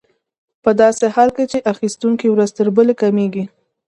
په داسې حال کې چې اخیستونکي ورځ تر بلې کمېږي